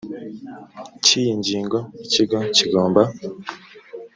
cy iyi ngingo ikigo kigomba